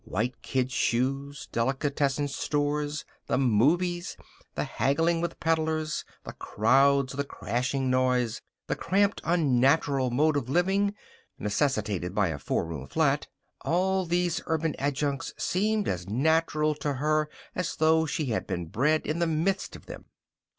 White kid shoes, delicatessen stores, the movies, the haggling with peddlers, the crowds, the crashing noise, the cramped, unnatural mode of living necessitated by a four room flat all these urban adjuncts seemed as natural to her as though she had been bred in the midst of them.